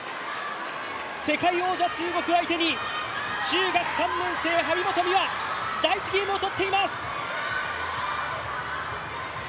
世界王者、中国相手に中学３年生、張本美和、第１ゲームを取っています。